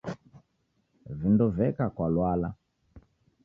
Vindo veka kwa lwala